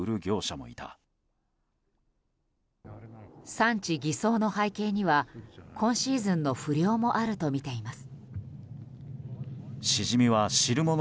産地偽装の背景には今シーズンの不漁もあるとみています。